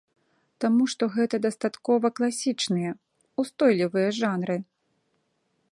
Таму што гэта дастаткова класічныя, устойлівыя жанры.